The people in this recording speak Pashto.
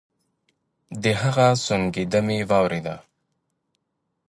د هغه سونګېدا مې واورېد.